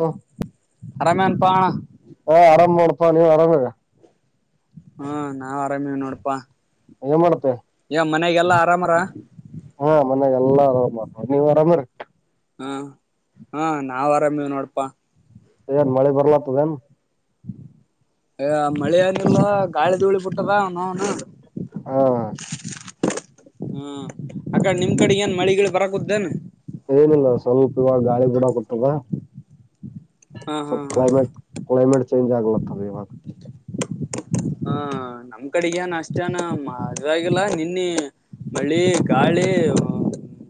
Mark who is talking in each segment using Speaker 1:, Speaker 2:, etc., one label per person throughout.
Speaker 1: ಹ
Speaker 2: ಅರಮೇನ್ಪಾ ಅಣ
Speaker 1: ಪ ನೀವ್ ಆರಾಮಗ
Speaker 2: ಹಾ ನಾವ್ ಆರಾಮೀವ್ ನೋಡ್ಪ.
Speaker 1: ಏನ್ ಮಾಡ್ತಿ
Speaker 2: ಆರಾಮರ
Speaker 1: ಹಾ ಮನ್ಯಾಗ ಎಲ್ಲ ಆರಾಮರ್ ನೋಡ್ ನೀವ್ ಆರಾಮಿರಿ.
Speaker 2: ಹ್ಮ್ ಹಾ ನಾವ್ ಆರಾಮೀವ್ ನೋಡಪ.
Speaker 1: ಏನ್ ಮಳೆ ಬರ್ಲತ್ತದೇನ್
Speaker 2: ಅ ಮಳಿ ಎನಿಲ್ಲೋ ಗಾಳಿ ಧೂಳಿ ಬಿಟ್ಟರ ಅವ್ನ್ ನೌನು
Speaker 1: ಹಾ
Speaker 2: ಹಾ ಆಕಡೆ ನಿಮ್ ಕಡಿಗೇನ್ ಏನ್ ಮಳಿಗಿಳ್ ಳ ಬರಕುದ್ದೆನ್
Speaker 1: ಏನಿಲ್ಲ ಸ್ವಲ್ಪ ಇವಾಗ ಗಾಳಿ ಗೂಡ ಕೊಟ್ಟದ
Speaker 2: ಹಾ ಹಾ
Speaker 1: ಸ್ವಲ್ಪ್
Speaker 2: ಹಾ ಹಾ
Speaker 1: ಕ್ಲೈಮೇಡ್ ಕ್ಲೈಮೇಟ್ ಚೇಂಜ್ ಆಗ್ಲತ್ತದ ಇವಾಗ್
Speaker 2: ಹ ನಮ್ ಕಡೆಗೆನ್ ಅಷ್ಟನ ಆ ಮಾದ್ವಾಗಿಲ್ಲ ನಿನ್ನೀ ಮಳಿ ಗಾಳಿ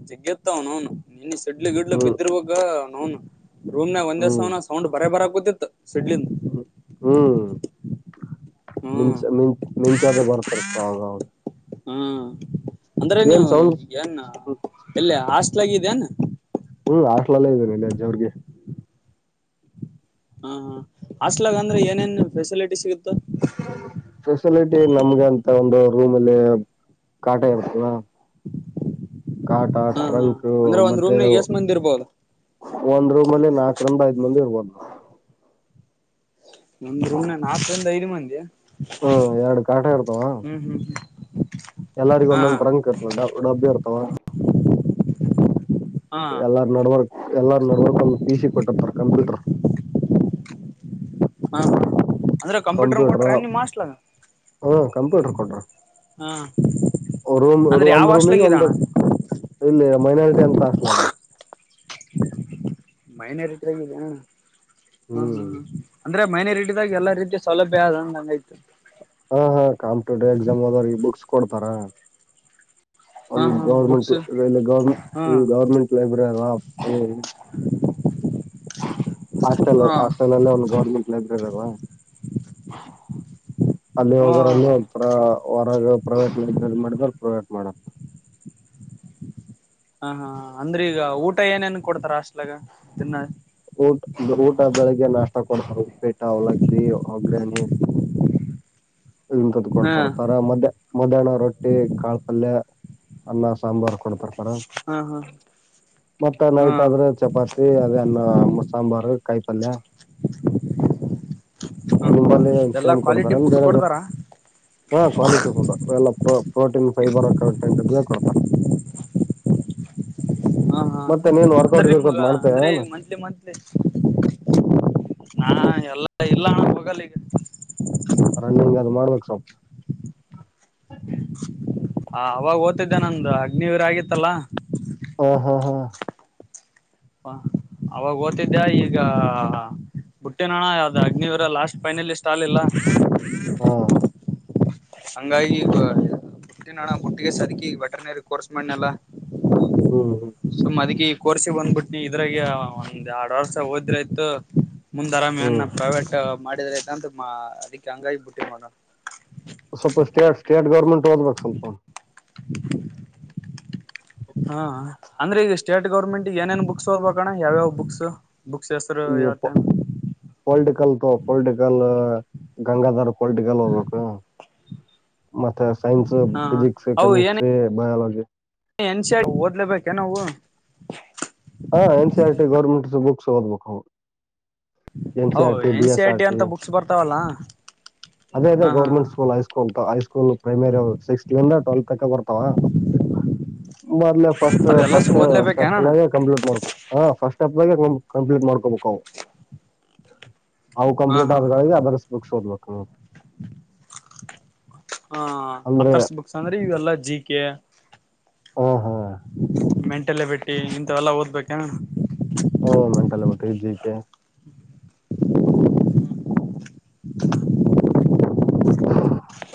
Speaker 2: ಜಗ್ಗಿತ್ತ ಅವ್ನ್ ನೌನ್. ನಿನ್ ಸಿಡ್ಲ ಗಿಡ್ಲು
Speaker 1: ಹ್ಮ್
Speaker 2: ಬಿದಿರ್ಬೇಕ ಅವ್ನ್ ನೌನ್ ರೂಮ್ ನಾಗ ಒಂದೇ ಸಮನ ಸೌಂಡ್ ಬರೆ ಬರ ಕೂತಿತ್ತ್ ಸಿಡ್ಲಿನ್
Speaker 1: ಊ ಹ್ ಹ್ಮ್ ಮಿಂಚ
Speaker 2: ಹ್ಮ್
Speaker 1: ಮಿಂ ಮಿಂಚಾದ ಬರ್ತೀರ್ತ್ ಆವಾಗವಾಗ್
Speaker 2: ಹ್ಮ ಅಂದ್ರೆ ನೀವು ಈಗೇನ್ ಎಲ್ಲಿ ಹಾಸ್ಟೆಲಾಗಿದಿಯೆನ್.
Speaker 1: ಹ್ಮ್ ಹಾಸ್ಟ್ಲಲ್ಲೇ ಇದ್ದೀನ್ ಇಲ್ಲೇ ಜವರ್ಗಿ.
Speaker 2: ಹಾ ಹ ಹಾಸ್ಟ್ಲಗ ಅಂದ್ರೆ ಏನೇನ್ ಫೆಸಿಲಿಟಿ ಸಿಗು
Speaker 1: ಫೆಸಿಲಿಟಿ ನಮ್ಗ ಅಂತ ಒಂದು ರೂಮಲ್ಲಿ ಕಾಟ ಇರ್ತದ. ಕಾಟ
Speaker 2: ಹಾ ಹಾ
Speaker 1: ಟ್ರಂಕ್
Speaker 2: ಅಂದ್ರೆ ಒಂದ್
Speaker 1: ಮತ್ತೆ
Speaker 2: ರೂಮ್ ನಾಗ
Speaker 1: ಓ
Speaker 2: ಎಷ್ಟ್ ಮಂದಿ ಇರ್ಬೋದು
Speaker 1: ಒಂದ್ ರೂಮಲ್ಲಿ ನಾಕ್ರಿಂದ ಐದ್ ಮಂದಿ ಇರ್ಬೋದ್ ನಾವ್.
Speaker 2: ಒಂದ್ ರೂಮ್ ನಾಗ್ ನಾಕ್ರಿಂದ ಐದು ಮಂದಿಯ
Speaker 1: ಹ್ಮ ಎರಡ್ ಕಾಟ ಇರ್ತವ.
Speaker 2: ಹ್ಮ್
Speaker 1: ಎಲ್ಲಾರಿಗ್
Speaker 2: ಹಾ
Speaker 1: ಒಂದೊಂದು ಟ್ರಂಕ್ ಇರ್ತದ ಡ ಡಬ್ಬಿ ಇರ್ತವ.
Speaker 2: ಹಾ
Speaker 1: ಎಲ್ಲಾರ ನಡವರ್ಕ್ ಎಲ್ಲಾರ ನಡ್ವರ್ಕ್ ಒಂದ್ ಪಿ ಸಿ ಕೊಟ್ಟಿರ್ತಾರ್ ಕಂಪ್ಯೂಟರ್.
Speaker 2: ಹಾ ಹಾ ಅಂದ್ರೆ ಕಂಪ್ಯೂಟರ್ ನು ಕೊಟ್ರ ನಿಮ್ ಹಾಸ್ಟ್ಲಾಗ.
Speaker 1: ಹ್ಮ್ ಕಂಪ್ಯೂಟರ್ ಕೊಟ್ರ ರೂಮ್
Speaker 2: ಅಂದ್ರೆ ಯಾವ
Speaker 1: ಒಂದ್
Speaker 2: ಹಾಸ್ಟೆಲ್
Speaker 1: ರೂಮಿಗೆ
Speaker 2: ಇದೆ
Speaker 1: ಒಂದು
Speaker 2: ಅಣ್ಣ
Speaker 1: ಇಲ್ಲಿ ಮೈನಾರಿಟಿ ಅಂತ ಹಾಸ್ಟಲ್ ಅದ.
Speaker 2: ಮೈನಾರಿಟ ಆಗಿದೆಯ ಹಾ ಹಾ
Speaker 1: ಹ್ಮ್
Speaker 2: ಹ ಅನ್ ಅಂದ್ರೆ ಮೈನರಿಟಿದಾಗ ಎಲ್ಲಾ ರೀತಿಯ ಸೌಲಭ್ಯ ಅದ ಅನ್ನಂಗಾಯ್ತು.
Speaker 1: ಹಾ ಹಾ ಕಾಂಪಿಟ್ಯೂಟಿವ್ ಎಕ್ಸಾಮ್ ಆದರೀ ಈ ಬುಕ್ಸ್ ಕೊಡ್ತಾರ.
Speaker 2: ಹಾ
Speaker 1: ಒಂದು
Speaker 2: ಹಾ
Speaker 1: ಗೌರ್ಮೆಂಟ್
Speaker 2: ಬುಕ್ಸ್
Speaker 1: ಲೈ ಗೌರ್ಮೆಂಟ್
Speaker 2: ಹಾ
Speaker 1: ಈ ಗೌರ್ಮೆಂಟ್ ಲೈಬ್ರರಿ ಅಲ [unintelligible]
Speaker 2: [inaudible]
Speaker 1: ಹಾಸ್ಟೆಲ್
Speaker 2: ಹಾ
Speaker 1: ಹಾಸ್ಟೆಲ್ ಅಲ್ಲೇ ಒಂದು ಗೌರ್ಮೆಂಟ್ ಲೈಬ್ರರಿ ಅಲ್ವಾ
Speaker 2: [inaudible]
Speaker 1: ಅಲ್ಲಿ
Speaker 2: ಹಾ
Speaker 1: ಹೋಗರನ್ನು ಹೊರಗ ಪ್ರೈವೇಟ್ ಲೈಬ್ರರಿ ಮಾಡಿದ್ರ ಪ್ರೈವೇಟ್ [unintelligible]
Speaker 2: ಹಾ ಹಾ ಹಾ ಅಂದ್ರೆ ಈಗ ಊಟ ಏನೇನ್ ಕೊಡ್ತಾರ ಹಾಷ್ಟಲಾಗ್ ತಿನ್ನ
Speaker 1: ಊಟ ಊಟ ಬೆಳಿಗ್ಗೆ ನಾಷ್ಟ ಕೊಡ್ತಾರ್ ಉಪ್ಪಿಟ್ಟು ಅವಲಕ್ಕಿ ಒಗ್ಗರ್ಣಿ ಇಂತದ್
Speaker 2: ಹಾ
Speaker 1: ಕೊಡ್ತಿರ್ತಾರ ಮಧ ಮಧ್ಯಾಹ್ನ ರೊಟ್ಟಿ ಕಾಳ್ ಪಲ್ಯ ಅನ್ನ ಸಾಂಬಾರ್ ಕೊಡ್ತಿರ್ತಾರ
Speaker 2: ಹಾ ಹಾ
Speaker 1: ಮತ್ತೆ
Speaker 2: ಹಾ
Speaker 1: ನೈಟ್ ಆದ್ರ ಚಪಾತಿ ಅದೇ ಅನ್ನ ಮರ ಕಾಯ್ ಪಲ್ಯ
Speaker 2: [inaudible]
Speaker 1: ನಿಂಬಲ್ಲಿ ಏನ್
Speaker 2: ಎಲ್ಲಾ
Speaker 1: ಸೇಮ್
Speaker 2: ಕ್ವಾಲಿಟಿ
Speaker 1: ಕೊಡ್ತಾರನ್
Speaker 2: ಫುಡ್
Speaker 1: ಬೇರೆ ಬರ್
Speaker 2: ಕೊಡ್ತಾರ
Speaker 1: ಹಾ ಕ್ವಾಲಿಟಿ ಫುಡ್ ಎಲ್ಲ ಪ್ರ ಪ್ರೋಟೀನ್ ಫೈಬರ್ ಕರೆಕ್ಟ್ [unintelligible] ದೇ ಕೊಡ್ತಾರ.
Speaker 2: [inaudible] ಹಾ ಹಾ
Speaker 1: ಮತ್ತೆ ನೀನ್
Speaker 2: ಅಂದ್ರೆ
Speaker 1: ವರ್ಕೌಟ್
Speaker 2: ನಿಮ್ಗ
Speaker 1: ಗಿರ್ಕೌಟ್
Speaker 2: ಅಂದ್ರೆ ಈ
Speaker 1: ಮಾಡ್ತೇವೇನು
Speaker 2: ಮಂತ್ಲಿ ಮನ್ ಹಾ ಎಲ್ಲ ಇಲ್ಲ ಅಣ್ಣ ಹೋಗಲ್ಲ ಈಗ
Speaker 1: ರನ್ನಿಂಗ್ ಅದು ಮಾಡ್ಬೇಕು ಸ್ವಲ್ಪ
Speaker 2: ಹ ಅವಾಗ ಹೋಗ್ತಿದೆ ನಂದು ಅಗ್ನಿವಿರ್ ಆಗಿತ್ತಲ್ಲ
Speaker 1: ಹ್ಮ್ ಹ್ಮ್ ಹ್ಮ್
Speaker 2: ಹಾ ಅವಾಗ ಹೊತ್ತಿದೆ ಈಗ ಬುಟ್ಟಿನ್ ಅಣ್ಣ ಅಗ್ನಿವಿರ ಲಾಸ್ಟ್ ಫೈನಲ್ ಈಸ್ಟ್ ಆಗಿಲ್ಲ
Speaker 1: ಹಾ
Speaker 2: ಅಂಗಾಗಿ [inaudible] ಬುಟ್ಟಿನಣ್ಣ
Speaker 1: ಹ್ಮ್ ಹ್ಮ್
Speaker 2: [unintelligible] [unintelligible] ಕೋರ್ಸಿ ಬಂದ್ಬಿಟ್ನ ಇದ್ರಾಗ ಒಂದ್ ಎರಡ್ ವರ್ಷ ಹೋದ್ರ ಆತ ಮುಂದ್ ಆರಾಮ್ ಏನ್
Speaker 1: ಹ್ಮ್
Speaker 2: ಪ್ರೈವೇಟ್ ಮಾಡಿದ್ರೆ ಅಂತ ಅದಕ್ಕೆ ಹಂಗಾಗಿ ಬಿಟ್ಟಿನ ನೋಡ ಅಣ್ಣ
Speaker 1: ಸ್ವಲ್ಪ ಸ್ಟೇಟ್ ಸ್ಟೇಟ್ ಗೌರ್ಮೆಂಟ್ ಓದ್ಬೇಕ್ ಸ್ವಲ್ಪ
Speaker 2: [inaudible] ಹಾ ಅಂದ್ರೆ ಈಗ ಸ್ಟೇಟ್ ಗೌರ್ಮೆಂಟ್ ಏನೇನ್ ಬುಕ್ಸ್ ಓದ್ಬೇಕಣ್ಣ ಯಾವ್ಯಾವ್ ಬುಕ್ಸ್ ಬುಕ್ಸ್ ಹೆಸ್ರು
Speaker 1: ಈಗ
Speaker 2: ಹೇಳ್ತಿಯ
Speaker 1: ಪೊಲಿಟಿಕಲ್ ಪೊಲಿಟಿಕಲ್ ಗಂಗಾಧರ್ ಪೊಲಿಟಿಕಲ್ ಹೋಗ್ಬೇಕು ಮತ್ತೆ ಸೈನ್ಸ್
Speaker 2: ಹಾ
Speaker 1: ಫಿಜಿಕ್ಸ್ ಕೆಮಿಸ್ಟ್ರಿ ಬಯಾಲಜಿ
Speaker 2: [unintelligible] ಓದಲೇಬೇಕೆನ್ ಅವು
Speaker 1: ಹಾ N C R T government books ಓದ್ಬೇಕು ಎಂ ಸಿ
Speaker 2: ಹೌ
Speaker 1: R T B
Speaker 2: N C
Speaker 1: S R T
Speaker 2: ಅಂತ ಬುಕ್ಸ್ ಬರ್ತಾವಲ್ಲಾ
Speaker 1: ಅದೇದೇ
Speaker 2: ಹಾ ಹಾ ಹಾ
Speaker 1: government school high school high school primary ಸಿಕ್ಸ್ಂದ ಟ್ವೆಲ್ ತಕ ಬರ್ತಾವ ಮೊದ್ಲ ಫಸ್ಟ್
Speaker 2: ಅದೆಲ್ಲ
Speaker 1: ಫಸ್ಟ್ ಸ್ಟೆಪ್
Speaker 2: ಓದ್ಲೇಬೇಕೇನಣ್ಣ
Speaker 1: ಕಂಪ್ಲೀಟ್ ಮಾಡ್ಕ ಹಾ ಫಸ್ಟ್ ಕಂಪ್ಲೀಟ್ ಮಾಡ್ಕಬೇಕು ಅವು ಅವು
Speaker 2: ಹಾ
Speaker 1: ಕಂಪ್ಲೀಟ್
Speaker 2: ಹಾ ಹಾ
Speaker 1: ಆದಾಗಿ ಅಥರ್ಸ್ ಬುಕ್ಸ್ ಓದಬೇಕು ನೋಡು
Speaker 2: ಹ
Speaker 1: ಅಂದ್ರೆ
Speaker 2: ಅಥರ್ಸ್ ಬುಕ್ಸ್ ಅಂದ್ರೆ ಇವೆಲ್ಲಾ ಜಿ ಕೆ
Speaker 1: ಹ ಹಾ
Speaker 2: [unintelligible] ಇಂತಥವೆಲ್ಲಾ ಓದ್ಬೇಕೇನು
Speaker 1: ಹ್ಮ್ [unintelligible] ಜಿ ಕೆ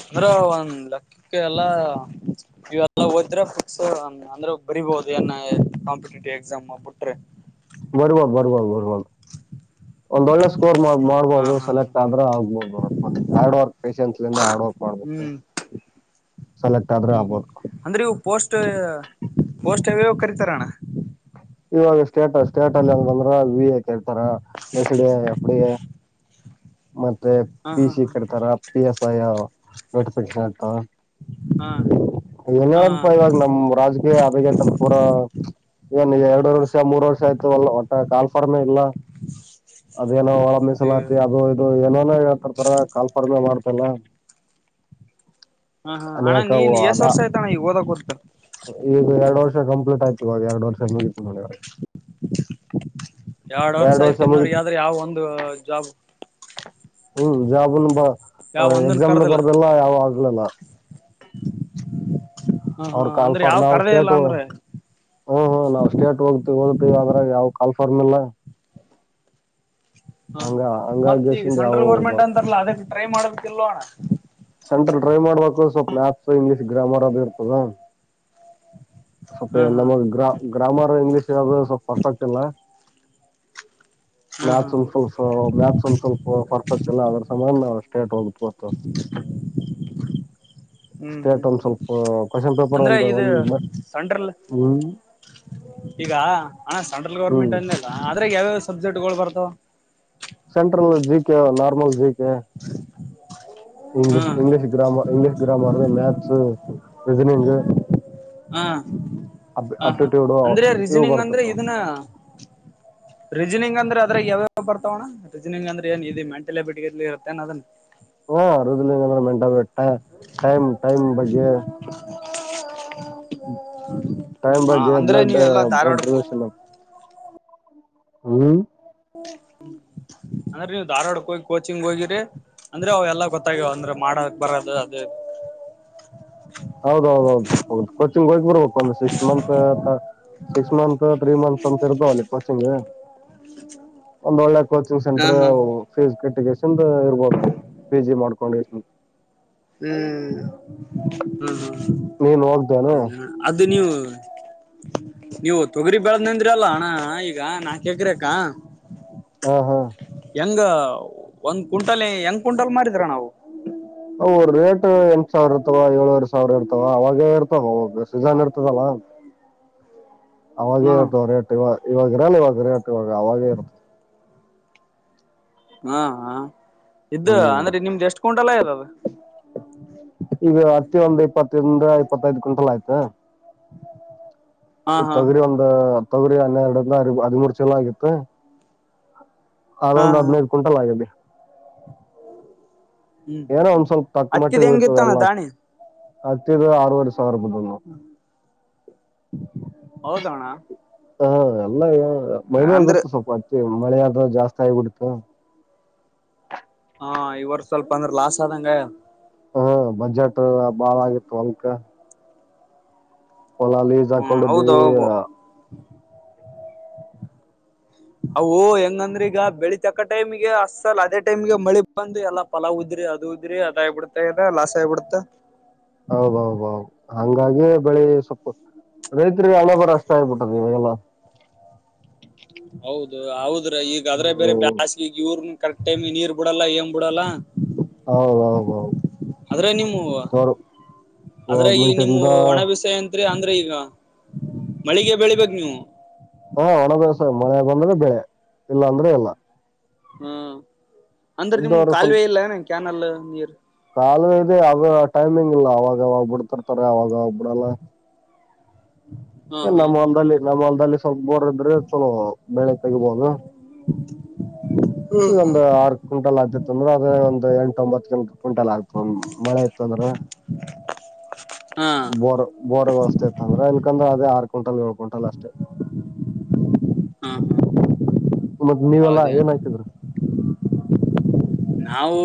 Speaker 2: ಅಂದ್ರೆ ಒಂದ್ ಲಕ್ಕಕ್ಕೆ ಎಲ್ಲ ಇವೆಲ್ಲ ಓದಿದ್ರೆ [unintelligible] ಅಂದ್ರೆ ಬರಿ [unintelligible] ಏನ ಕಾಂಪಿಟೇಟಿವ್ ಎಕ್ಸಾಮ್ ಬಿಟ್ರೆ
Speaker 1: ಬರುವ ಬರುವ ಬರುವ
Speaker 2: [inaudible]
Speaker 1: ಒಂದೊಳ್ಳೆ ಸ್ಕೋರ್
Speaker 2: ಹಾ
Speaker 1: ಮಾಡ್ಬೋದು
Speaker 2: ಹಾ ಹಾ
Speaker 1: ಸೆಲೆಕ್ಟ್
Speaker 2: ಹಾ
Speaker 1: ಆದ್ರ ಆಗ್ಬೋದು ನೋಡ ಹಾರ್ಡ್ ವರ್ಕ್ ಫೇಸಸ್ ಇಂದ ಹಾರ್ಡ್ ವರ್ಕ್ ಮಾಡ್ಬೇಕು
Speaker 2: ಹ್ಮ್
Speaker 1: ಸೆಲೆಕ್ಟ್ ಆದರೆ
Speaker 2: ಹ್ಮ್ ಹ್ಮ್
Speaker 1: ಆಗಬಹುದು
Speaker 2: ಅಂದ್ರೆ ಇವು ಪೋಸ್ಟ್ ಪೋಸ್ಟ್ [unintelligible] ಕರಿತಾರೋಣ್ಣ
Speaker 1: ಇವಾಗ ಸ್ಟೇಟ ಸ್ಟೇಟ್ ಅಲ್ಲಿ ಅಂತಂದ್ರ ವಿಕ್ ಕೇಳ್ತಾರ ಎಚ್ ಡಿ ಫ್ ಡಿ ಮತ್ತೆ
Speaker 2: ಹಾ
Speaker 1: ಪಿ
Speaker 2: ಹಾ
Speaker 1: ಸಿ
Speaker 2: ಹಾ
Speaker 1: ಕರ್ತಾರ ಪಿ ಎಸ್ ಐ ನೋಟಿಫಿಕೇಶನ್ ಆ
Speaker 2: ಹಾ ಹಾ
Speaker 1: ಏನ್ಯಪ್ಪ ಇವಾಗ ನಮ್ ರಾಜಕೀಯ ಅರಿಗೆಟ್ಟಲ್ ಪೂರಾ ಏನ್ ಎರಡು ವರ್ಷ ಮೂರ್ ವರ್ಷ ಆಯ್ತು ಅಲ್ಲ ಒಟ್ಟ ಕಾಲ್ಫಾರ್ಮ್ ಇಲ್ಲ ಅದೇನೋ ಒಳ ಮೀಸಲಾತಿ
Speaker 2: ಹಾ
Speaker 1: ಅದು ಇದು ಏನೇನೋ ಹೇಳ್ತಿರ್ತಾರೆ ಕಾಲ್ಫಡಿಮೆ ಮಾಡ್ [unintelligible]
Speaker 2: ಹಾ ಅಣ್ಣ
Speaker 1: ಅನೇಕ
Speaker 2: ನೀನ್ ಎಸ್
Speaker 1: ಅದಾ
Speaker 2: ವರ್ಷ ಆಯ್ತಣ್ಣ ಈಗ ಓದಕ್ ಗೊತ್ತು
Speaker 1: [inaudible] ಈಗ ಎರಡು ವರ್ಷ ಕಂಪ್ಲೀಟ್ ಆಯ್ತ ಇವಾಗ ಎರಡು ವರ್ಷದ ಮುಗಿತ್ತು ನೋಡಿವಾಗ
Speaker 2: ಏನ್ ವರ್ಷ ಆಯ್ತು ಇನ್ನು ಯಾವ ಒಂದು ಜಾಬ್
Speaker 1: ಹ್ಮ್ ಜಾಬ್ ನು ಅ
Speaker 2: ಯಾವ ಒಂದನ್
Speaker 1: ಎಕ್ಸಾಮ್
Speaker 2: ಕರ್ದಿಲ್ಲ
Speaker 1: ಬರ್ದೆಲ್ಲ ಯಾವ ಆಗ್ಲಲ್ಲ
Speaker 2: ಹ
Speaker 1: ಅವ
Speaker 2: ಹಾ ಅಂದ್ರೆ ಯಾವ್
Speaker 1: ಕಲ್ಫರ್ನಾ
Speaker 2: ಕರ್ದೇ ಇಲ್ಲ
Speaker 1: ಸ್ಟೇಟ್
Speaker 2: ಅಂದ್ರೆ
Speaker 1: ಹ್ಮ್ ಹ್ಮ್ ನಾವ್ ಸ್ಟೇಟ್ ಹೋಗ್ತೀವಿ ಓದ್ ಅದ್ರಾಗ ಯಾವ ಕಾಲ್ಫಾರ್ಮಲ್ಲ
Speaker 2: ಹಾ ಮತ್ತ ಈಗ ಸೆಂಟ್ರಲ್
Speaker 1: ಯಾವ
Speaker 2: ಗೋರ್ಮೆಂಟ್ ಅಂತಾರಲ್ಲ ಅದಕ್ಕೆ ಟ್ರೈ ಮಾಡ್ಬೇಕಲ್ವಣ
Speaker 1: ಸೆಂಟ್ರಲ್ ಡ್ರೈವ್ ಮಾಡಬೇಕು ಸ್ವಲ್ಪ ಮ್ಯಪ್ಸ್ ಇಂಗ್ಲೀಷ್ ಗ್ರಾಮರ್ ಅದು ಇರ್ತದ ಸ್ವಲ್ಪ
Speaker 2: ಹಾ ಹಾ
Speaker 1: ನಮಗ್
Speaker 2: ಹಾ
Speaker 1: ಗ್ರಾ ಗ್ರಾಮರ್ ಇಂಗ್ಲಿಷ್ ಇರ ಸ್ವಲ್ಪ ಪರ್ಫೆಕ್ಟ್ ಎಲ್ಲ
Speaker 2: ಹಾ ಹಾ ಹಾ
Speaker 1: ಮ್ಯಾಥಸ್ ಒಂದ ಸ್ವಲ್ಪ ಮ್ಯಾಥಸ್ ಒಂದ್ ಸ್ವಲ್ಪ ಪರ್ಫೆಕ್ಟ್ ಇಲ್ಲ ಅದ್ರ ಸಮಯ ಸ್ಟೇಟ್ ಹೋಗಬವಿ [unintelligible] ಹತ್ತ [unintelligible]
Speaker 2: ಹ್ಮ್
Speaker 1: ಸ್ಟೇಟ್
Speaker 2: ಹ್ಮ್
Speaker 1: ಒಂದ್
Speaker 2: ಹ್ಮ್ ಹ್ಮ್
Speaker 1: ಸ್ವಲ್ಪ ಕ್ವಶನ್ ಪೇಪರ್
Speaker 2: ಅಂದ್ರೆ
Speaker 1: ಒಂದು
Speaker 2: ಇದು
Speaker 1: ಒಂದ್
Speaker 2: ಸಂಡ್ರಲ್
Speaker 1: ಹ್ಮ್
Speaker 2: ಈಗ ಅಣ ಸೆಂಟ್ರಲ್
Speaker 1: ಹ್ಮ್
Speaker 2: ಗೌರ್ಮೆಂಟ್ ಅಂದದ ಆದದ್ರಾಗ ಯಾವ್ಯಾವ ಸಬ್ಜೆಕ್ಟ್ಗಳು ಬರ್ತಾವ
Speaker 1: ಸೆಂಟ್ರಲ್ ಜಿಕ ನಾರ್ಮಲ್ ಜಿಕೆ
Speaker 2: ಹಾ
Speaker 1: English English grammar English grammar maths reasoning
Speaker 2: ಹಾ ಹ ಹಾ
Speaker 1: ಅಪ್ಟಿಟ್ಯೂಡ್
Speaker 2: ಅಂದ್ರೆ
Speaker 1: ಇವು
Speaker 2: ರೀಜನಿಂಗ್ ಅಂದ್ರೆ
Speaker 1: ಬರ್ತಿರ್ತಾವ
Speaker 2: ಇದನ್ನ ರೀಜನಿಂಗ್ ಅ್ರ ಅದ್ರಾಗ ಯಾವ ಬರ್ತಾವಣ್ಣ ರೀಜನಿಂಗ್ಂದ್ರೆ ಏನ್ ಇ ಮೆಂಟಲ್ಬಿಟಿ ಇ ಇರುತ್ತ ಏನ್ ಅದನ್
Speaker 1: ಹಾ ರುದ್ರ ಮೆಂಟಟ್ಟ ಟೈಮ್ ಟೈಮ್ ಬಗ್ಗೆ ಟೈಮ್
Speaker 2: ಹ
Speaker 1: ಬಗ್ಗೆ
Speaker 2: ಅಂದ್ರೆ
Speaker 1: ಬ್ಲಡ್
Speaker 2: ನೀವ್ ಎಲ್ಲಾ
Speaker 1: ಬ್ಲಡ್
Speaker 2: ಧಾರವಾಡಕ್ಕೂ
Speaker 1: ರೊಲಷನ್ ಹ್ಮ್
Speaker 2: ್ಮ [unintelligible] ಅಂದ್ರೆ ನೀವುಧಾರ್ವಾಡಕ್ಕೆ ಹೋಗಿ ಕೋಚಿಂಗ್ ಹೋಗಿರಿ ಅಂದ್ರೆ ಅವ ಎಲ್ಲ ಗೊತ್ತಾಗ್ಯವ ಅಂದ್ರ ಮಾಡಕ್ ಬರದು ಅದೇ [unintelligible]
Speaker 1: ಹೌದೌದೌದು ಸ್ವಪೋಗುತ್ತ ಕೋಚಿಂಗ್ ಹೋಗಿಬರ್ಬೇಕು ಒಂದ sixth month six month three months ಅಂತ ಇರ್ತಾವಲ್ಲಿ ಕೊಚಿಂಗ್ ಒಂದ ಒಳ್ಳೆ ಕೋಚಿಂಗ್
Speaker 2: ಹಾ
Speaker 1: ಸೆಂಟರ್
Speaker 2: ಹಾ
Speaker 1: ಫೇಸ್ ಕೆಟ್ಟಿಗೆ ಚಂದ ಇರ್ಬೋದ ಪಿ ಜಿ ಮಾಡ್ಕೊಂಡ
Speaker 2: ಹ್ಮ್ ಹ್ಮ ಹ್ಮ
Speaker 1: ನೀನುಕದಾನ
Speaker 2: ಅದು ನೀವು ನೀವು ತೊಗರಿ ಬೆಳ್ದ್ಂದ್ರಿ ಅಲ್ಲ ಅಣ್ಣ ಈಗ ನಾಕ್ಕ್ರಕ
Speaker 1: ಹಾ ಹಾ
Speaker 2: ಹೆಂಗ ಒಂದ್ ಕು್ಂಟಲ್ ಹೆಂಗ್ ಕ್ಂಟಲ್ ಮಾಡಿದ್ರ ನಾವು
Speaker 1: ಎಂಟಟ್ ಸಾವಿರ ಇರ್ತವ ಏಳವರೆ ಸಾವಿರ ಇರ್ತವ ಅವಾಗ ಇರ್ತವೋಗ ಸಜಾನ್ ಇರ್ತದಲ್ಲ
Speaker 2: ಹ್ಮ
Speaker 1: ಅವಾಗೇ ಇರುತವ ರೇಟ್ ಇವಾಗ ಇವಾಗ ಇರಲ್ಲ ಇವಾಗ ರೇಟ್ ಇವಾಗ ಅವಾಗೇ ಇರುತದೆ
Speaker 2: ಹಾ ಹ ಇದ್ದ
Speaker 1: ಹ್ಮ್
Speaker 2: ಅಂದ್ರೆ ನಿಮ್ದ ಎಷ್ಟ್ ಕುಂಟಲ್ಲ ಇದಾವ
Speaker 1: ಈಗ ಅತ್ತ ಒಂದ್ ಇಪ್ಪತ್ತರಿಂದ ಇಪ್ಪತ್ತದ್ ಕ್ವಿಂಟಲ್ ಆಯ್ತಾ
Speaker 2: ಹಾ
Speaker 1: ಈ
Speaker 2: ಹಾ
Speaker 1: ತೊಗರಿ
Speaker 2: ಹಾ
Speaker 1: ಒಂದ ತೊಗರಿ ಹನ್ನೆರಡಂದ ಹದಿಮೂರು ಚಲ ಆಗಿತ್ತು
Speaker 2: ಹಾ
Speaker 1: ಅದಂದ್
Speaker 2: ಹಾ
Speaker 1: ಹದ್ೈದು ಕುಂಟಲ್ ಆಗಿದೆ
Speaker 2: ಹ್ಮ್ ಹ್ಮ್
Speaker 1: ಏನೋ
Speaker 2: ಹ್ಮ್
Speaker 1: ಒಂದ್ ಸ್ವಲ್ಪ ತಕ್ಕ
Speaker 2: ಹತ್ತಿದ್
Speaker 1: ಮಟ್ಟಿಗೆ ಬೀಳ್ತದೆ
Speaker 2: ಹೆಂಗಿತ್ತಣ್ಣ
Speaker 1: ಎಲ್ಲ
Speaker 2: ದಾಣಿ
Speaker 1: ಹತ್ತಿದ ಆರವರ್ಷ
Speaker 2: ಹೌದಣ
Speaker 1: ಹಾ ಎಲ್ಲ ಮೈಮೇಲ್ ಗತ್ತು ಸ್ವಲ್ಪ ಅತ್ತ ಮಳೆ ಆದ ಜಾಸ್ತಿ ಆಗಿಬಿಡ್ತು
Speaker 2: ಹಾ ಇವರು ಸ್ವಲ್ಪ ಅಂದ್ರ ಲಾಸ್ ಆದಂಗ
Speaker 1: ಹ ಬಜೆಟ್ ಬಾಳ ಆಗಿತ್ತು ಅಲ್ಕ ಹೊಲಾಲಸ್
Speaker 2: ಹ್ಮ್ ಹೌದು
Speaker 1: ಹಾಕೊಂಡಿದ್ದೀವಿ
Speaker 2: ಅ ಹೆಂಗಂದ್ರೆ ಈಗ ಬೆಳಿತಕ್ಕ ಟೈಮಗೆ ಅಸ್ಸಲ್ ಅದೇ ಟೈಮಗೆ ಮಳಿ ಬಂದು ಎಲ್ಲಾ ಪಲಾವ ಉದ್ರ ಅದು ಇದದ್ರಿ ಅದಗ್ಬಿಡತದ ಲಾಸ್ ಆಗಿಬಿಡತಾ
Speaker 1: ಹೌದೌದೌದು ಹಂಗಾಗಿ ಬೆಳಿ ಸ್ವಲ್ಪ ರೈತರಿಗೆ ಹಳ ಬಾರ ಅಷ್ಟ ಆಗ್ಬಿಟ್ಟದ ಇವಾಗಲ್ಲ
Speaker 2: ಹೌದು ಹೌದ್ರ ಈಗ ಅದ್ರೆ ಬೇರೆ
Speaker 1: ಹ್ಮ್
Speaker 2: ಬ್ಯಾಸ್ಗೆ ಈಗ ಇವ್ರ ಕರೆಕ್ಟ್ ಟೈಮ್ಗೆ ನೀರ್ ಬಿಡಲ್ಲ ಏಂಗ್ ಬಿಡಲ್ಲ
Speaker 1: ಹೌದ್ ಹೌ ಹೌದು
Speaker 2: ಅದ್ರಾಗಿ ನಿಮ್ಮ ಒಣ ಬಿಸಾಯ ಅಂತ ಅಂದ್ರೆ ಈಗ ಮಳಿಗೆ ಬೆಳಿಬೇಕ ನೀವು
Speaker 1: ಹಾ ಒಣ ಬಿಸಿಲಿ ಮಳ ಬಂದ್ರೆ ಬೆಳೆ ಇಲ್ಲ ಅಂದ್ರೆ ಇಲ್ಲ
Speaker 2: ಹ್ಮ ಅಂದ್ರ ನಿಮಗೆ ಕಾಲುವೆ ಇಲ್ಲ ಏನ ಕ್ಯಾನಲ್ ನೀರ್
Speaker 1: ಕಾಲವೆ ಇದೆ ಅದ ಟೈಮಿಂಗ್ ಇಲ್ಲ ಅವಾಗವಾಗ್ಬಿಡ್ತಿರ್ತಾರೆ ಅವಾಗ ಬಿಡಲ್ಲ
Speaker 2: [inaudible] ಹಾ
Speaker 1: ಏ
Speaker 2: ಹಾ
Speaker 1: ನಮ್ಮ ಹೊಲ್ದಲ್ಲಿ ನಮ್ಮ ಹೊಲ್ದಲ್ಲಿ ಸ್ವಲ್ಪ ಬೋರ್ ಇದ್ರೆ ಚಲೋ ಬೆಳೆ ತೆಗಿಬಹದು ಇದೊಂದು ಆರ್ ಕ್ವಿಂಟಲ್ ಆತೈತಂದ್ರ ಅದ್ರ ಒಂದ ಎಂಟ ಒಂಬತ್ತ ಕುಂಟೆಲ್ಲ ಆಗ್ತದೆ ಮಳೆ ಇತ್ತು ಅಂದ್ರೆ
Speaker 2: ಹಾ
Speaker 1: ಬೋರ್ ಬೋರ್ ವ್ಯವಸ್ತೇ ಇತ್ತ ಅಂದ್ರ ಇನ್ಕಂದ್ರ ಅದೇ ಆರ್ ಕ್ವಿಂಟಲ್ ಏಳು ಕ್ವಿಂಟಲ್ ಅಷ್ಟೇ
Speaker 2: ಹಾ ಹಾ
Speaker 1: ಮತ್ತತ್ ನೀವೆಲ್ಲಾ ಏನ್ ಹಾಕಿದ್ದೀರ
Speaker 2: ನಾವು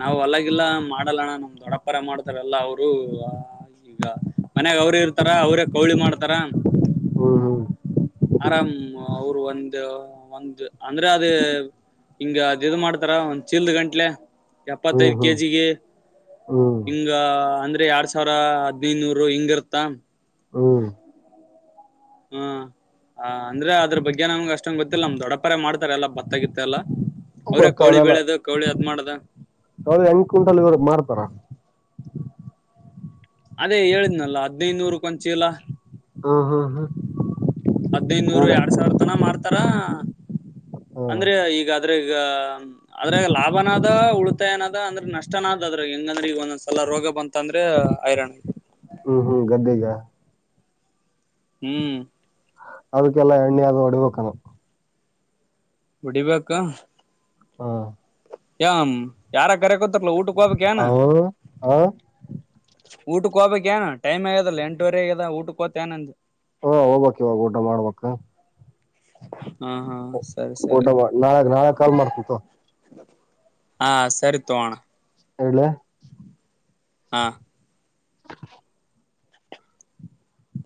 Speaker 2: ನಾವು ಹೊಲಗಿಲ್ಲ ಮಾಡಲ್ಲಣ ನಮ ದೊಡ್ಡ ಅವ್ರೆ ಮಾಡ್ತಾರಲ್ಲ ಅವರು ಈಗ ಮನ್ಯಾಗ ಅವ್ರೇ ಇರ್ತಾರ ಅವ್ರೇ ಕೌಳಿ ಮಾಡ್ತಾರ
Speaker 1: ಹ್ಮ್
Speaker 2: ಆರಾಮ ಅವರು ಒಂದ ಒಂದು ಅಂದ್ರೆ ಅದೇ ಹಿಂಗ ಅದು ಇದು ಮಾಡ್ತಾರ ಒಂದ್ ಚೀಲ್ದ ಗಂಟ್ಲೆ
Speaker 1: ಹ್ಮ್
Speaker 2: ಎಪ್ಪತ್ತೈದ
Speaker 1: ಹ್ಮ್ ಹ್ಮ್
Speaker 2: ಕೆಜಿಗೆ
Speaker 1: ಹ್ಮ್
Speaker 2: ಹಿಂಗ ಅಂದ್ರೆ ಎರಡ್ ಸಾವಿರ ಹದಿನೈದು ನೂರು ಹಿಂಗ ಇರ್ತ
Speaker 1: ಹ್ಮ್ಮ್
Speaker 2: ಹ್ಮ್ ಹ ಅಂದ್ರೆ ಅದ್ರ ಬಗ್ಗೆ ನಮಗೆ ಅಷ್ಟೊಂದು ಗೊತ್ತಿಲ್ಲ ನಮ್ ದೊಡ್ಡಪರೆ ಮಾಡ್ತಾರೆ ಎಲ್ಲ ಭತ್ತಗಿತ್ತ ಎಲ್ಲಾ ಅವ್ರ
Speaker 1: ಮತ್ತ
Speaker 2: ಕೌಳಿ
Speaker 1: ಅದೆಲ್ಲ
Speaker 2: ಬೆಳೆದು ಕೌಳಿ ಅದ್ ಮಾಡದ
Speaker 1: ಕೌಳಿ ಕುಂಟಲ್ ಮಾಡ್ತಾರ
Speaker 2: ಅದೇ ಹೇಳಿದ್ನಲ್ಲ ಹದ್ನೈನೂರಕ್ಕೆ ಒಂದು ಚೀಲ
Speaker 1: ಹಾ ಹಾ ಹಾ
Speaker 2: ಹದಿನೈದುನೂರು
Speaker 1: ಅದ
Speaker 2: ಎರಡ್ ಸಾವಿರ ತನ ಮಾಡ್ತಾರ
Speaker 1: ಹ್ಮ್
Speaker 2: ಅಂದ್ರೆ ಈಗ ಆದ್ರ ಈಗ ಅದ್ರೆ ಲಾಭನದ ಉಳಿತಾಯನದ ಅಂದ್ರೆ ನಷ್ಟನಾದ್ ಅದ್ರ ಹೆಂಗಂದ್ರೆ ಈಗ ಒಂದೊಂದ ಸಲ ರೋಗ ಬಂತ ಅಂದ್ರೆ ಐರಾಣ ಆಯ್ತು
Speaker 1: ಹ್ಮ್ ಹ್ಮ್ ಗದ್ದೆಗೆ
Speaker 2: ಹ್ಮ್
Speaker 1: ಅದಕ್ಕೆಲ್ಲಾ ಎಣ್ಣೆ ಅದು ಹೊಡಿಬೇಕೇನು
Speaker 2: ಹೊಡಿಬೇಕಾ
Speaker 1: ಹಾ
Speaker 2: ಯ ಯಾರ ಕರೆಕೊತಾರಲ್ಲ ಊಟಕ್ಕೆ ಹೋಗಬೇಕೇನು
Speaker 1: ಅವ ಹ
Speaker 2: ಊಟಕ್ಕೆ ಹೋಗ್ಬೇಕಕ್ ಏ ಟೈಮ್ ಆಗದಲ್ಲ ಎಂಟುವರೆ ಆಗದ ಊಟಕ್ ಹೋತೇಏಂದ
Speaker 1: ಹಾ ಹೋಗಬೇಕ್ ಇವಾಗ ಊಟ ಮಾಡಬೇಕು
Speaker 2: ಹಾ ಹಾ ಸರಿ
Speaker 1: ಊಟ
Speaker 2: ಸರಿ
Speaker 1: ಮಾಡ್ ನಾಳೆ ನಾಳೆ ಕಾಲ್ ಮಾಡ್ತೀನಿ ತಕೊ
Speaker 2: ಹಾ ಸರಿ ತಕೊ ಅಣ್ಣ
Speaker 1: ಇಡ್ಲೆ
Speaker 2: ಹ